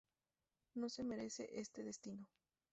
No se merece este destino".